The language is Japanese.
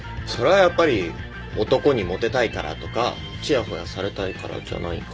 やっぱり男にモテたいからとかちやほやされたいからじゃないか？